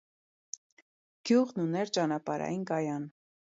Գյուղն ուներ ճանապարհային կայան։